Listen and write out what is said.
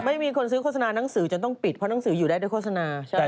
ไม่มีคนซื้อโฆษณานังสือจนต้องปิดเพราะหนังสืออยู่ได้ด้วยโฆษณาใช่ไหม